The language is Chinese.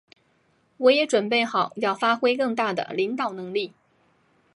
我也准备好要发挥更大的领导能力。